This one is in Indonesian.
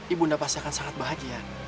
ibunda pasti akan sangat bahagia